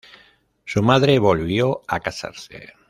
Su madre volvió a casarse.